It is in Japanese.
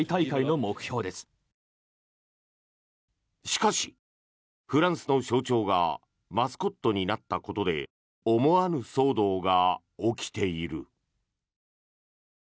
しかし、フランスの象徴がマスコットになったことで思わぬ騒動が起きている。